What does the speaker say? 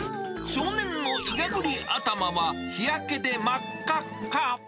少年のいがぐり頭は、日焼けで真っ赤っか。